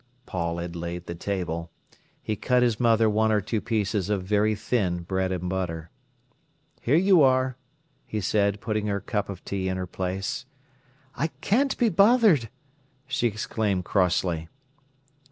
Paul had laid the table. He cut his mother one or two pieces of very thin bread and butter. "Here you are," he said, putting her cup of tea in her place. "I can't be bothered!" she exclaimed crossly.